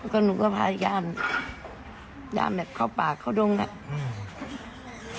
ก็หนูก็พาอีกย่านย่านแบบเข้าปากเข้าดงนั่น